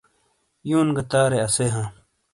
یون گہ تارے اسے ہاں